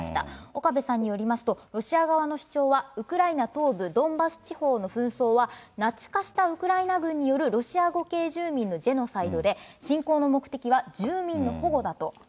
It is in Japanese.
岡部さんによりますと、ロシア側の主張は、ウクライナ東部ドンバス地方の紛争は、ナチ化したウクライナ軍によるロシア語系住民のジェノサイドで、侵攻の目的は住民の保護だと。